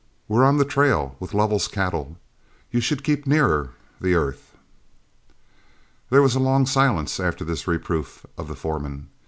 We're on the trail with Lovell's cattle. You should keep nearer the earth." There was a long silence after this reproof of the foreman.